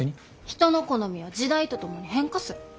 人の好みは時代と共に変化する。